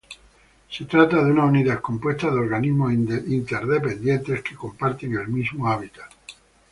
Se trata de una unidad compuesta de organismos interdependientes que comparten el mismo hábitat.